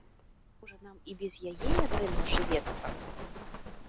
Можа нам і без яе нядрэнна жывецца?